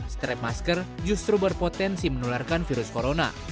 strap masker justru berpotensi menularkan virus corona